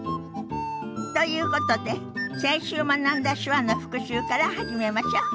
ということで先週学んだ手話の復習から始めましょう。